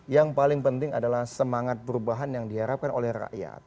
yang paling penting adalah semangat perubahan yang diharapkan oleh rakyat